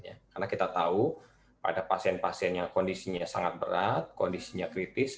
karena kita tahu pada pasien pasien yang kondisinya sangat berat kondisinya kritis